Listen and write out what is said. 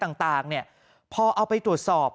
อะไรต่างเนี่ยพอเอาไปตรวจสอบ